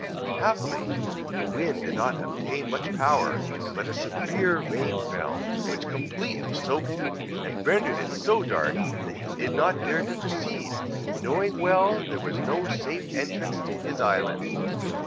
Happily the wind did not obtain much power; but a severe rain fell, which completely soaked him, and rendered it so dark, that he did not dare to proceed, knowing well there was no safe entrance to his island.